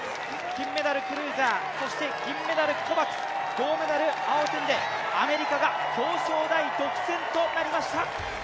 金メダル・クルーザー、銀メダル・コバクス、銅メダル、アウォトゥンデ、アメリカが表彰台独占となりました。